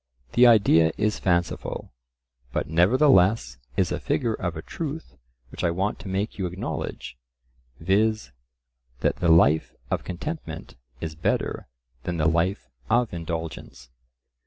The idea is fanciful, but nevertheless is a figure of a truth which I want to make you acknowledge, viz. that the life of contentment is better than the life of indulgence.